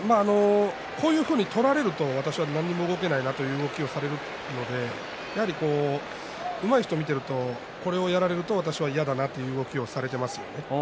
こういうふうに取られると私は何も動けないんだという動きをされるのでうまい人を見ているとこれをやられると私は嫌だなという動きをされていますよね。